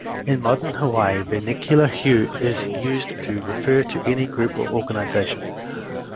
In modern Hawaii vernacular, hui is used to refer to any group or organization.